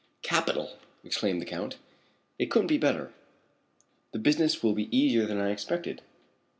"Capital!" exclaimed the Count. "It couldn't be better. The business will be easier than I expected.